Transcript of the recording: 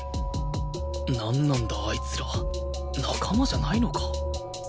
なんなんだあいつら仲間じゃないのか？